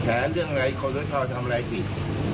ข้าเรื่องอะไรข้อต่อชอบทำอะไรผิด